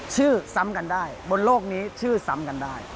ซ้ำกันได้บนโลกนี้ชื่อซ้ำกันได้